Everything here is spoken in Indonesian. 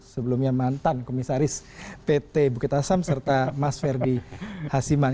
sebelumnya mantan komisaris pt bukit asam serta mas ferdi hasiman